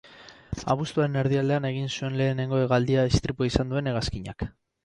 Abuztuaren erdialdean egin zuen lehenengo hegaldia istripua izan duen hegazkinak.